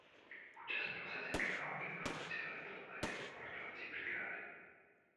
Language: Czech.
Účastnil se Zimní války ve funkci velitele lehké bombardovací brigády.